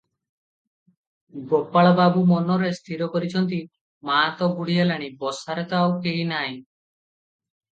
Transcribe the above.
ଗୋପାଳବାବୁ ମନରେ ସ୍ଥିର କରିଛନ୍ତି, ମା ତ ବୁଢ଼ୀ ହେଲାଣି, ବସାରେ ତ ଆଉ କେହି ନାହିଁ ।